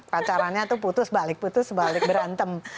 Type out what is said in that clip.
pacarannya tuh putus balik putus balik berantem